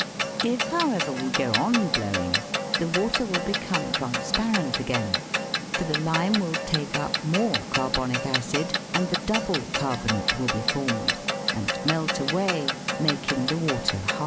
If, however, we go on blowing, the water will become transparent again, for the lime will take up more carbonic acid, and the double carbonate will be formed, and melt away, making the water " hard."